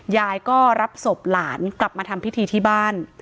ยายก็รับศพหลานกลับมาทำพิธีที่บ้าน